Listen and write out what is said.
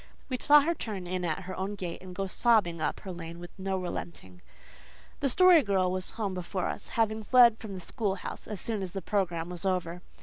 We saw her turn in at her own gate and go sobbing up her lane with no relenting. The Story Girl was home before us, having fled from the schoolhouse as soon as the programme was over.